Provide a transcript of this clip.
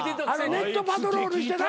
ネットパトロールしてな。